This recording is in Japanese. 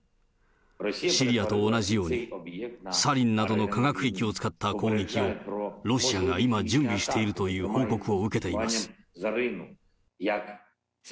シリアと同じように、サリンなどの化学兵器を使った攻撃をロシアが今準備しているという報告を受けています。